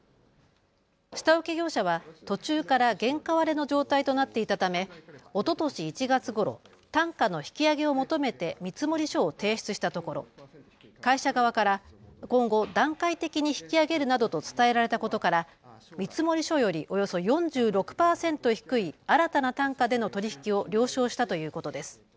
下請け業者は途中から原価割れの状態となっていたため、おととし１月ごろ、単価の引き上げを求めて見積書を提出したところ会社側から今後、段階的に引き上げるなどと伝えられたことから見積書よりおよそ４６％低い新たな単価での取り引きを了承したということです。